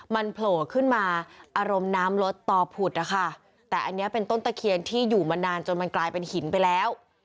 มันโผล่ขึ้นมาอารมณ์น้ำลดต่อผุดนะคะแต่อันนี้เป็นต้นตะเคียนที่อยู่มานานจนมันกลายเป็นหินไปแล้ว